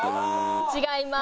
違います。